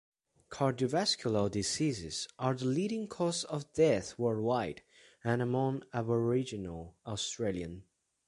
Cardiovascular diseases are the leading cause of death worldwide and among Aboriginal Australians.